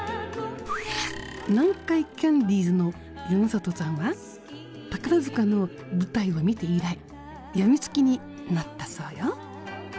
南海キャンディーズの山里さんは宝塚の舞台を見て以来病みつきになったそうよ。